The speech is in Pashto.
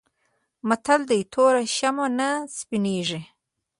متل: توره شمه نه سپينېږي.